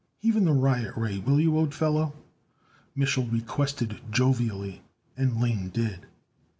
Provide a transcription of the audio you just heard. "Heave in the riot ray, will you, old fellow?" Mich'l requested jovially, and Lane did.